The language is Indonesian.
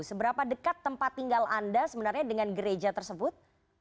seberapa dekat tempat tinggal anda sebenarnya dengan gereja tersebut